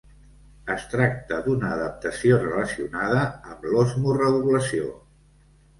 Es tracta d'una adaptació relacionada amb l'osmoregulació.